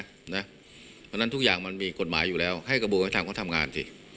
เพราะฉะนั้นทุกอย่างมันมีกฎหมายอยู่แล้วให้กระบวนการเขาทำงานสิ